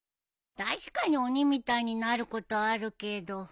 確かに鬼みたいになることあるけど。